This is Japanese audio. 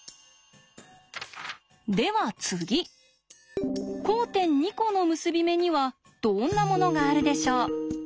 では次交点２コの結び目にはどんなものがあるでしょう？